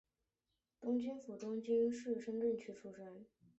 东京府东京市深川区出身。